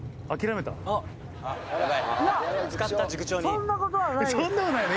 そんなことないよね。